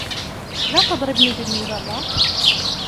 لا تضربني بالمِظلة.